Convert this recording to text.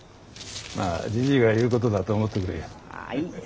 まあじじいが言うことだと思ってくれよ。